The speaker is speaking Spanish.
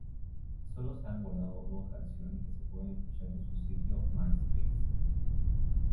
Solo han grabado dos canciones que se pueden escuchar en su sitio MySpace.